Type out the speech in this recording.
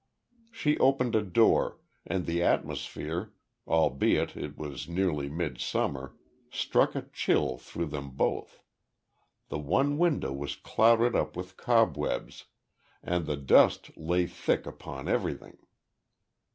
She opened a door, and the atmosphere, albeit it was nearly midsummer, struck a chill through them both. The one window was clouded up with cobwebs, and the dust lay thick upon everything.